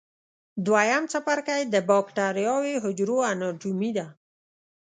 دویم څپرکی د بکټریاوي حجرو اناټومي ده.